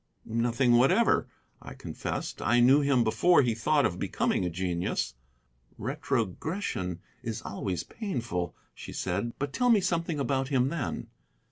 "Nothing whatever," I confessed. "I knew him before he thought of becoming a genius." "Retrogression is always painful," she said; "but tell me something about him then."